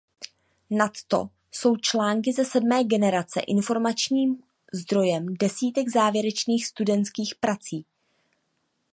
Nadto jsou články ze Sedmé generace informačním zdrojem desítek závěrečných studentských prací.